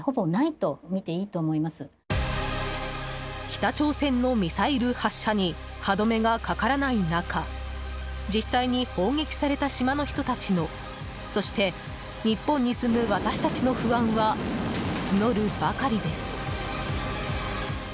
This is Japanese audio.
北朝鮮のミサイル発射に歯止めがかからない中実際に砲撃された島の人たちのそして日本に住む私たちの不安は募るばかりです。